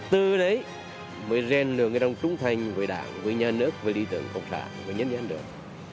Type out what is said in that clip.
từ đấy mới rèn lượng người đồng trung thành với đảng với nhà nước với lý tưởng phục đảng với nhân dân được